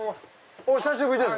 お久しぶりです。